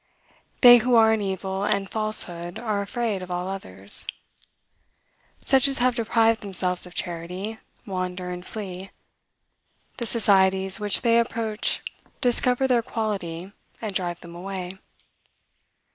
They who are in evil and falsehood are afraid of all others. Such as have deprived themselves of charity, wander and flee; the societies which they approach discover their quality, and drive them away.